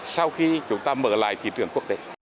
sau khi chúng ta mở lại thị trường quốc tế